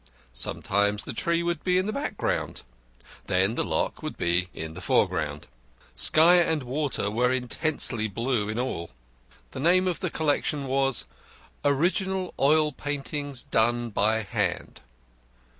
Sometimes the tree would be in the background. Then the loch would be in the foreground. Sky and water were intensely blue in all. The name of the collection was "Original oil paintings done by hand."